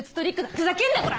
ふざけんなコラ！